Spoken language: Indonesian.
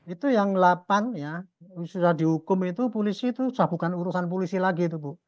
itu yang delapan ya sudah dihukum itu polisi itu sudah bukan urusan polisi lagi itu bu